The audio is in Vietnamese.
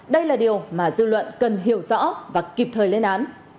đây là điều mà dư luận cần hiểu rõ và kịp thời lên án